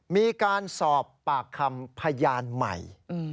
มีการสอบปากคำพยานใหม่